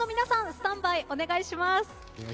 スタンバイお願いします。